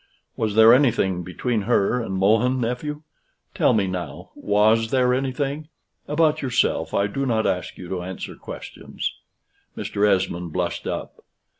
Was there anything between her and Mohun, nephew? Tell me now was there anything? About yourself, I do not ask you to answer questions." Mr. Esmond blushed up.